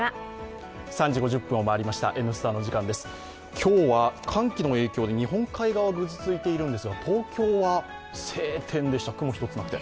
今日は寒気の影響が日本海側はぐずついているんですが、東京は晴天でした雲一つなくて。